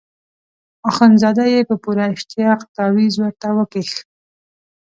اخندزاده په پوره اشتیاق تاویز ورته وکیښ.